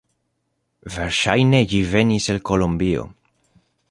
Verŝajne ĝi venis el Kolombio.